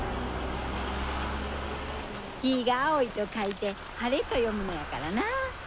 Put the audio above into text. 「日が青い」と書いて「晴れ」と読むのやからな。